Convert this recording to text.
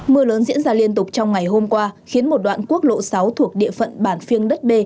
mưa lớn diễn ra liên tục trong ngày hôm qua khiến một đoạn quốc lộ sáu thuộc địa phận bản phiêng đất b